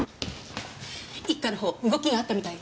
一課の方動きがあったみたい。